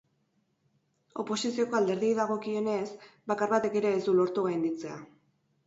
Oposizioko alderdiei dagokienez, bakar batek ere ez du lortu gainditzea.